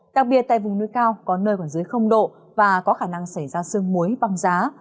đặc biệt tại vùng núi cao có nơi còn dưới độ và có khả năng xảy ra sương muối băng giá